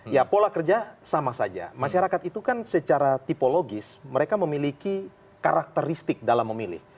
ya pola kerja sama saja masyarakat itu kan secara tipologis mereka memiliki karakteristik dalam memilih